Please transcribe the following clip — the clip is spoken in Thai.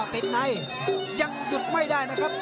ติดในยังหยุดไม่ได้นะครับ